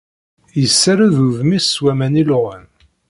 Yessared udem-is s waman iluɣen.